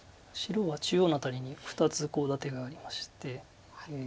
白は中央の辺りに２つコウ立てがありまして。